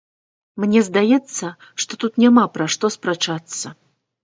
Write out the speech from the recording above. Мне здаецца, што тут няма пра што спрачацца.